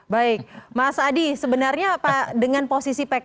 baik mas adi sebenarnya apa dengan posisi pks